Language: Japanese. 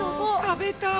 食べたい！